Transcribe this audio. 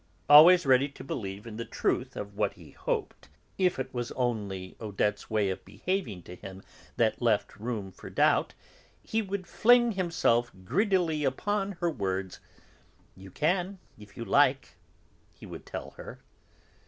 Always ready to believe in the truth of what he hoped, if it was only Odette's way of behaving to him that left room for doubt, he would fling himself greedily upon her words: "You can if you like," he would tell her.